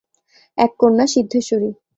এক কন্যা, সিদ্ধেশ্বরী।